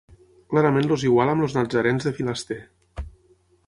Clarament els iguala amb els natzarens de Filaster.